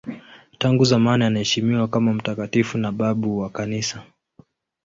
Tangu zamani anaheshimiwa kama mtakatifu na babu wa Kanisa.